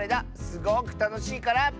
すごくたのしいから。